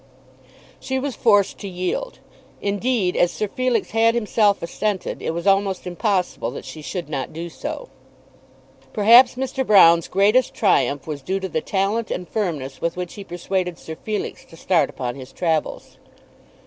She was forced to yield. Indeed, as Sir Felix had himself assented, it was almost impossible that she should not do so. Perhaps Mr. Broune's greatest triumph was due to the talent and firmness with which he persuaded Sir Felix to start upon his travels.